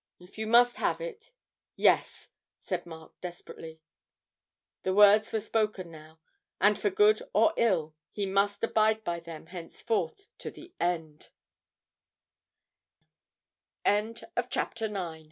'If you must have it yes,' said Mark desperately. The words were spoken now, and for good or ill he must abide by them henceforth to the end. CHAPTER X. REPENTE TURPISSIMUS.